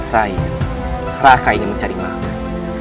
rai raka ingin mencari makhluk